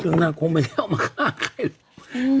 เรื่องนางคงไม่ได้เอามาฆ่าใครล่ะ